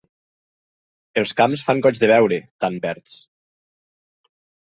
Els camps fan goig de veure, tan verds!